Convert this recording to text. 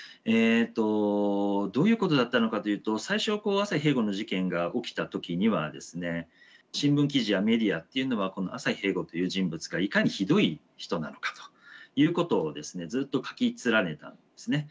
どういうことだったのかというと最初朝日平吾の事件が起きた時には新聞記事やメディアっていうのは朝日平吾という人物がいかにひどい人なのかということをずっと書き連ねたんですね。